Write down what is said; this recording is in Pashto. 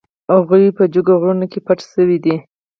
هغوی په جګو غرونو کې پټ شوي دي.